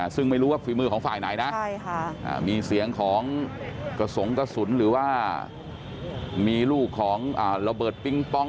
ซึ่งไม่รู้ว่าฝีมือของฝ่ายไหนนะมีเสียงของกระสงกระสุนหรือว่ามีลูกของระเบิดปิ๊งปอง